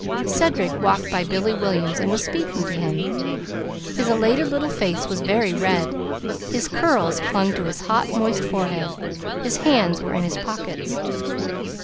Cedric walked by Billy Williams and was speaking to him. His elated little face was very red, his curls clung to his hot, moist forehead, his hands were in his pockets.